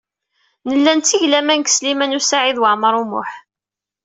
Nella netteg laman deg Sliman U Saɛid Waɛmaṛ U Muḥ.